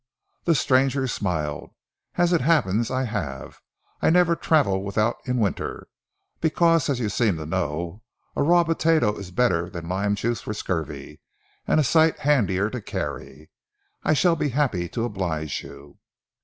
The stranger smiled. "As it happens I have. I never travel without in winter, because, as you seem to know, a raw potato is better than lime juice for scurvy, and a sight handier to carry. I shall be happy to oblige you."